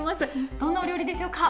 どんなお料理でしょうか？